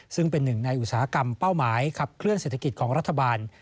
ซึ่งเป็นหนึ่งในอุตสาหกรรมเป้าหมายขับเคลื่อเศรษฐกิจของรัฐบาล